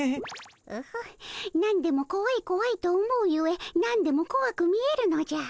オホッ何でもこわいこわいと思うゆえ何でもこわく見えるのじゃ。